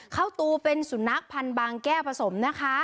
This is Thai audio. ข้าวตูเป็นสุนัขพันธ์บางแก้วผสมนะคะ